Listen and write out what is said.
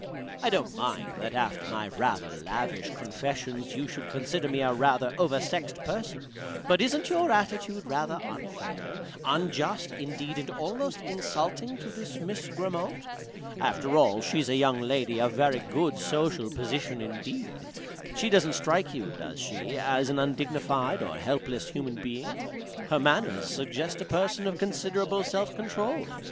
I don't mind that after my rather lavish confessions you should consider me a rather oversexed person, but isn't your attitude rather unfair, unjust, indeed, and almost insulting, to this Miss Grammont? After all, she's a young lady of very good social position indeed. She doesn't strike you does she? as an undignified or helpless human being. Her manners suggest a person of considerable self control.